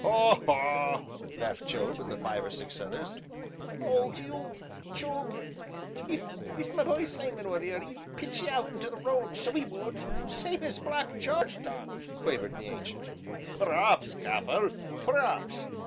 "Haw! haw!" laughed Job and the five or six others. "Oh, you Job! if my b'y Simon was 'ere 'e'd pitch 'ee out into the road, so 'e would same as Black Jarge done," quavered the Ancient. "P'r'aps, Gaffer, p'r'aps!"